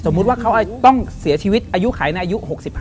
ว่าเขาต้องเสียชีวิตอายุไขในอายุ๖๕